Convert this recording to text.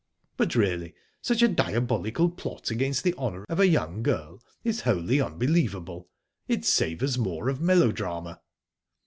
But really, such a diabolical plot against the honour of a young girl is wholly unbelievable. It savours more of melodrama."